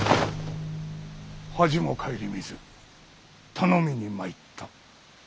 恥も顧みず頼みにまいった。